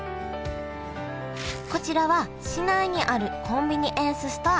こちらは市内にあるコンビニエンスストア